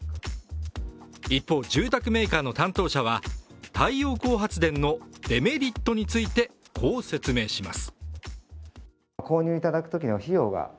一方、住宅メーカーの担当者は太陽光発電のデメリットについてこう説明します。